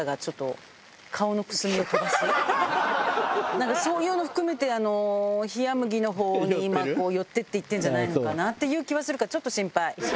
なんかそういうの含めて冷麦の方に今寄っていっていってるんじゃないのかなっていう気はするからちょっと心配。